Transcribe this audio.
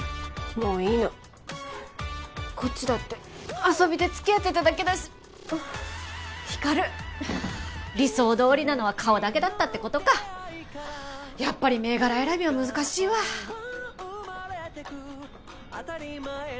もういいのこっちだって遊びでつきあってただけだし光琉理想どおりなのは顔だけだったってことかやっぱり銘柄選びは難しいわかわいいわね